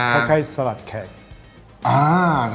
คล้ายสลัดแขก